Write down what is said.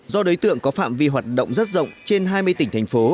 do đối tượng có phạm vi hoạt động rất rộng trên hai mươi tỉnh thành phố